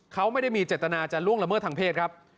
เขาไม่ได้มีเจตนาจะล่วงละเมิดทางเพศครับ